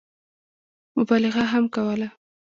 مبالغه هم کوله.